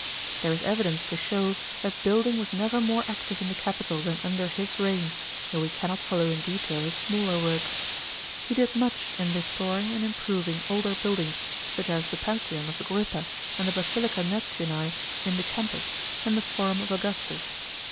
There is evidence to show that building was never more active in the capital than under his reign, though we cannot 117 138 A.D. BUILDINGS. follow in detail his smaller works. He did much in restoring aucl improving older buildings, such as the Pantheon of A<.irippa and the Basilica Neptuni in the Campus, and the Forum of Augustus.